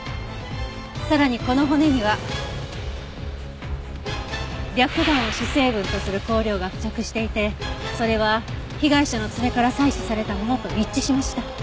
さらにこの骨には白檀を主成分とする香料が付着していてそれは被害者の爪から採取されたものと一致しました。